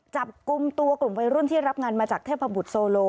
จับกลุ่มตัวกลุ่มวัยรุ่นที่รับงานมาจากเทพบุตรโซโล